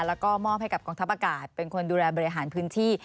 แล้วก็มอบให้กับกองทัพอากาศเป็นคนดูแลบริหารพื้นที่